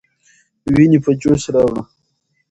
ويني په جوش راوړه.